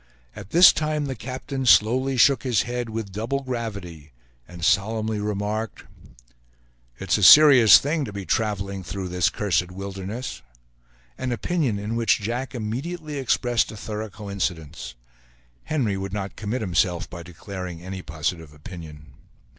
At this time the captain slowly shook his head with double gravity, and solemnly remarked: "It's a serious thing to be traveling through this cursed wilderness"; an opinion in which Jack immediately expressed a thorough coincidence. Henry would not commit himself by declaring any positive opinion.